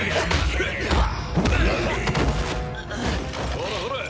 ほらほら！